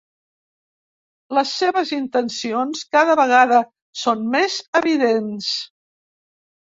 Les seves intencions cada vegada són més evidents.